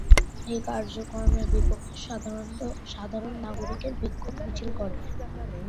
এ কার্যক্রমের বিপক্ষে সাধারণ নাগরিক বিক্ষোভ মিছিল করে।